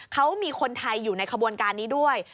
เขามีคนไทยอยู่ในขบวนการนี้ด้วย